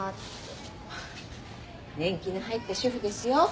年季の入った主婦ですよ。